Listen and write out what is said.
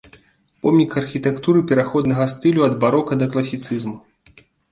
Помнік архітэктуры пераходнага стылю ад барока да класіцызму.